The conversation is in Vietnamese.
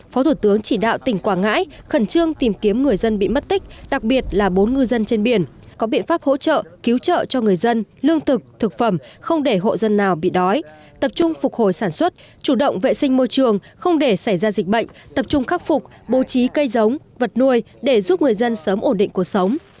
phó thủ tướng chỉ đạo tỉnh quảng ngãi khẩn trương tìm kiếm người dân bị mất tích đặc biệt là bốn ngư dân trên biển có biện pháp hỗ trợ cứu trợ cho người dân lương thực thực phẩm không để hộ dân nào bị đói tập trung phục hồi sản xuất chủ động vệ sinh môi trường không để xảy ra dịch bệnh tập trung khắc phục bố trí cây giống vật nuôi để giúp người dân sớm ổn định cuộc sống